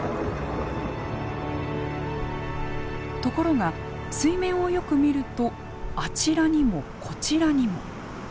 ところが水面をよく見るとあちらにもこちらにも。